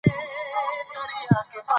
لیکوال دواړه په مهارت سره کاروي.